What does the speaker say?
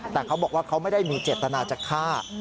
แต่เขาบอกว่าเขาไม่ได้มีเจตนาจะฆ่า